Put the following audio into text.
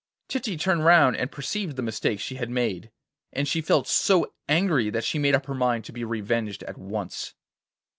Titty turned round and perceived the mistake she had made; and she felt so angry that she made up her mind to be revenged at once.